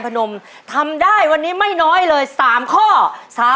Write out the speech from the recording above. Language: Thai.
เพียงมากเลยค่ะ